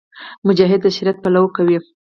مجاهد د شریعت پلوۍ کوي.